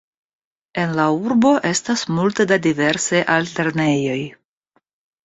En la urbo estas multe da diversaj altlernejoj.